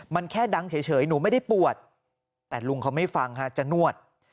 มันแค่ดังเฉยหนูไม่ได้ปวดแต่ลุงเขาไม่ฟังฮะจะนวด